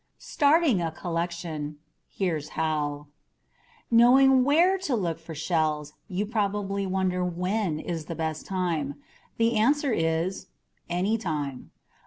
STARTING A COLLECTION. . .HERE'S HOW Knowing WHERE to look for shells you probably wonder WHEN is the best time. The answer is ANYTIME.